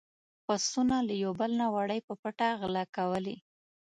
پسونو له يو بل نه وړۍ په پټه غلا کولې.